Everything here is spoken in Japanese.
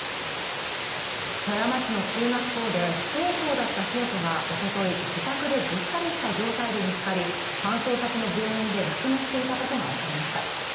富山市の中学校で不登校だった生徒がおととい自宅でぐったりした状態で見つかり搬送先の病院で亡くなっていたことが分かりました